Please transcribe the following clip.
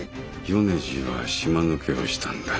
米次は島抜けをしたんだ。